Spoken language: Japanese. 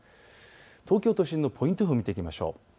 東京都心のポイント予報を見ていきましょう。